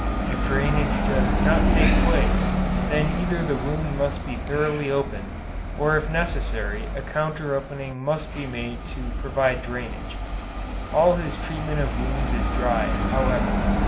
If drainage does not take place, then either the wound must be thoroughly opened, or if necessary a counter opening must be made to provide drainage. All his treatment of wounds is dry, however.